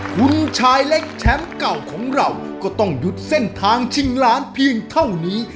คุณชายเล็กแชมป์เก่าของเราก็ต้องหยุดเส้นทางชิงล้านเพียงเท่านี้